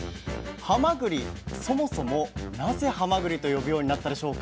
はまぐりそもそもなぜはまぐりと呼ぶようになったでしょうか？